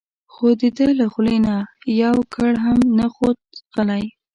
خو دده له خولې نه یو ګړ هم نه خوت غلی و.